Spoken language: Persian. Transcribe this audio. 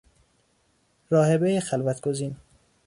راهبهی خلوت گزین